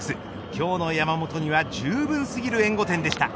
今日の山本にはじゅうぶんすぎる援護でした。